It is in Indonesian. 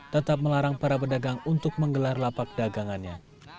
tetap melarang para pedagang untuk menggelar lapak dagangannya